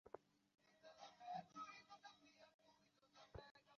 ভয় পেয়ে হার্টফেল করে তিনি বাথরুমে মারা যান।